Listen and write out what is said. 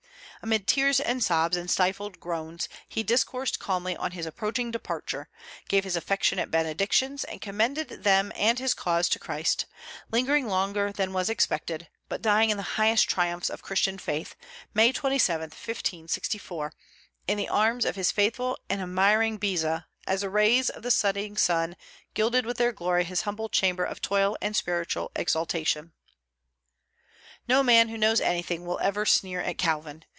Amid tears and sobs and stifled groans he discoursed calmly on his approaching departure, gave his affectionate benedictions, and commended them and his cause to Christ; lingering longer than was expected, but dying in the highest triumphs of Christian faith, May 27, 1564, in the arms of his faithful and admiring Beza, as the rays of the setting sun gilded with their glory his humble chamber of toil and spiritual exaltation. No man who knows anything will ever sneer at Calvin.